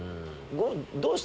どうした？